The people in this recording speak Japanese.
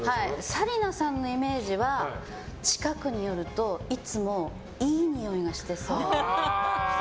紗理奈さんのイメージは近くに寄るといつもいいにおいがしてそう。